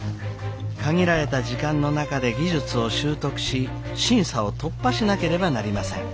限られた時間の中で技術を習得し審査を突破しなければなりません。